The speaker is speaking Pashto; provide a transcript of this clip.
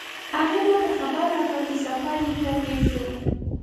هغې ما ته خبر راکړ چې سفر یې ښه تیر شو